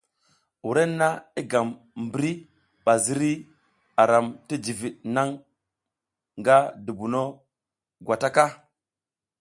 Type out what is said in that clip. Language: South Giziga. Wrenna i gam mbri ba ziri a ram ti jivid naŋ nga dubuna gwata ka.